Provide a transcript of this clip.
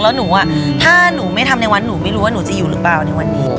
แล้วหนูถ้าหนูไม่ทำในวัดหนูไม่รู้ว่าหนูจะอยู่หรือเปล่าในวันนี้